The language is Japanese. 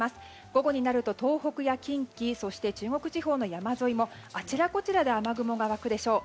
午後になると東北や近畿中国地方の山沿いもあちらこちらで雨雲が湧くでしょう。